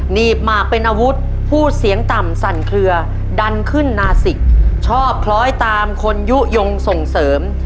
หนีบหมากเป็นอาวุธพูดเสียงต่ำสั่นเคลือดันขึ้นนาสิกชอบคล้อยตามคนยุโยงส่งเสริม